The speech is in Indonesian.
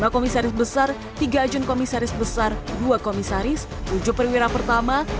dua komisaris besar tiga ajun komisaris besar dua komisaris tujuh perwira pertama